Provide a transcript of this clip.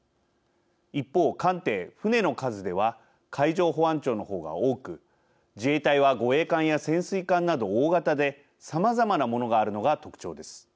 一方、艦艇、船の数では海上保安庁の方が多く、自衛隊は護衛艦や潜水艦など大型でさまざまなものがあるのが特徴です。